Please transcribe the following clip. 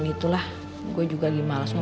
nggak usah nggak usah nggak usah